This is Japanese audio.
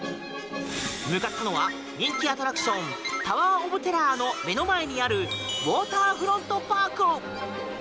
向かったのは人気アトラクションタワー・オブ・テラーの目の前にあるウォーターフロントパーク。